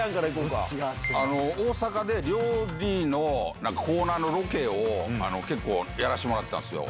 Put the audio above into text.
大阪で料理のコーナーのロケを、結構やらせてもらってたんですよ。